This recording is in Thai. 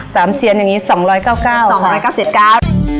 เสียนอย่างงี้สองร้อยเก้าเก้าสองร้อยเก้าสิบเก้า